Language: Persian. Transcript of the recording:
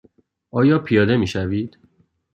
آیا پیاده می شوید؟